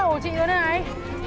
vỡ đồ của chị nữa đây này